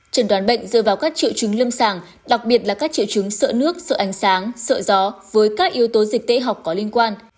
trần đoán bệnh dựa vào các triệu chứng lâm sàng đặc biệt là các triệu chứng sợ nước sợ ánh sáng sợ gió với các yếu tố dịch tễ học có liên quan